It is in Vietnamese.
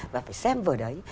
và phải xem vờ đấy